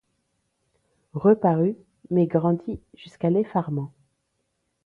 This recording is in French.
Reparut, mais grandi jusqu’à l’effarement ;